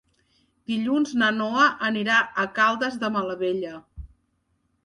Dilluns na Noa anirà a Caldes de Malavella.